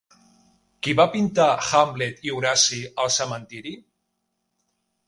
Qui va pintar Hamlet i Horaci al cementiri?